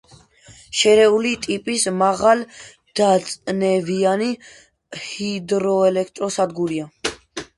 შერეული ტიპის მაღალდაწნევიანი ჰიდროელექტროსადგურია.